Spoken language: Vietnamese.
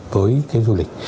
với cái du lịch